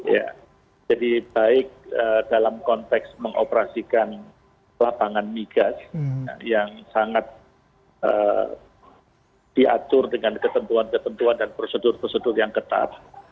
ya jadi baik dalam konteks mengoperasikan lapangan migas yang sangat diatur dengan ketentuan ketentuan dan prosedur prosedur yang ketat